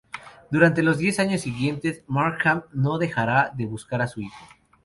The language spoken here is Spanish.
Durante los diez años siguientes, Markham no dejará de buscar a su hijo.